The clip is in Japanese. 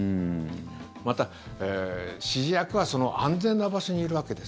また、指示役は安全な場所にいるわけです。